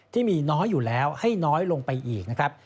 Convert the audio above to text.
ที่มีน้อยอยู่แล้วให้น้อยลงไปอีกนะครับ